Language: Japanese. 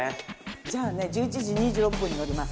じゃあね１１時２６分に乗ります。